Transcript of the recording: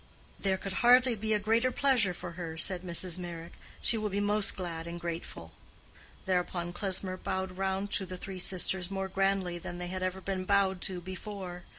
"There could hardly be a greater pleasure for her," said Mrs. Meyrick. "She will be most glad and grateful." Thereupon Klesmer bowed round to the three sisters more grandly than they had ever been bowed to before.